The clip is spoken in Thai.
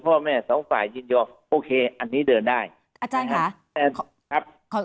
พ่อแม่สองฝ่ายยินยอมโอเคอันนี้เดินได้อาจารย์ค่ะครับ